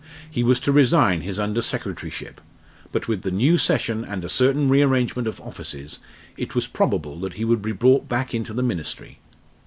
He was to resign his under secretaryship; but with the new session and a certain rearrangement of offices it was probable that he would be brought back into the Ministry.